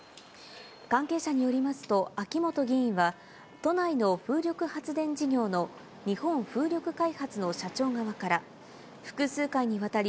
関係者によりますと、秋本議員は、都内の風力発電事業の日本風力開発の社長側から、複数回にわたり、